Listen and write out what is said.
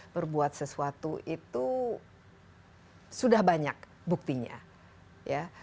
berbuat sesuatu itu sudah banyak buktinya ya